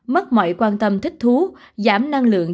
mất mọi quan tâm thích thú giảm năng lượng